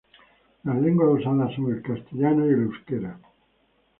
Las lenguas usadas son el castellano y el euskera.